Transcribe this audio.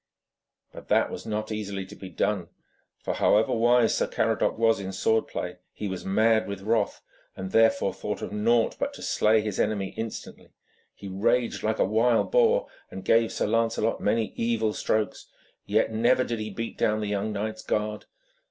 But that was not easily to be done, for however wise Sir Caradoc was in sword play, he was mad with wrath, and therefore thought of naught but to slay his enemy instantly. He raged like a wild boar, and gave Sir Lancelot many evil strokes, yet never did he beat down the young knight's guard.